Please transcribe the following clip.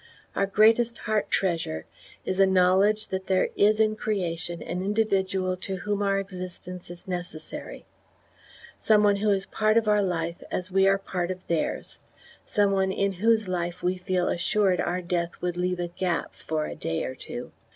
Our greatest heart treasure is a knowledge that there is in creation an individual to whom our existence is necessary some one who is part of our life as we are part of theirs, some one in whose life we feel assured our death would leave a gap for a day or two.